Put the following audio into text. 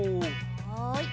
はい。